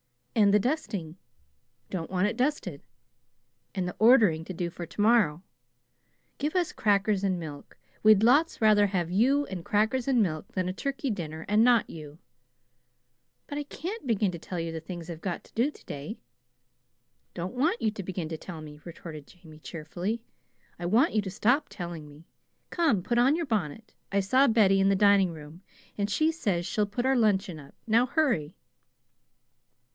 "And the dusting " "Don't want it dusted." "And the ordering to do for to morrow." "Give us crackers and milk. We'd lots rather have you and crackers and milk than a turkey dinner and not you." "But I can't begin to tell you the things I've got to do to day." "Don't want you to begin to tell me," retorted Jamie, cheerfully. "I want you to stop telling me. Come, put on your bonnet. I saw Betty in the dining room, and she says she'll put our luncheon up. Now hurry."